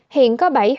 hiện có bảy huyện